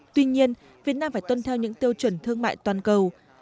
tuy nhiên việt nam phải tuân theo những tiêu chuẩn thương mại toàn cầu